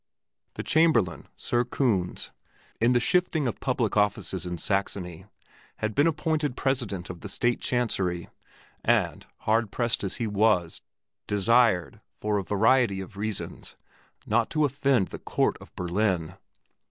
The Chamberlain, Sir Kunz, in the shifting of public offices in Saxony, had been appointed President of the State Chancery, and, hard pressed as he was, desired, for a variety of reasons, not to offend the Court of Berlin.